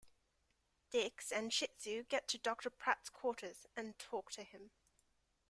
Dix and Shitzu get to Doctor Pratt's quarters, and talk to him.